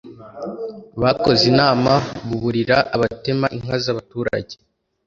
bakoze inama, buburira abatema inka z'abaturage.